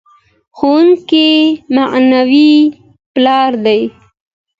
ښوونکی معنوي پلار دی.